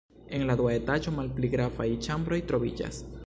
En la dua etaĝo malpli gravaj ĉambroj troviĝas.